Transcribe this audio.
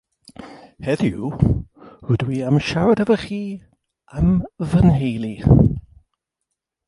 Heddiw rydw i am siarad hefo chi am fy nheulu